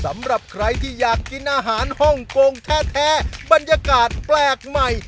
แม่แต่ละจานหน้าตาหน้ากินทั้งนั้น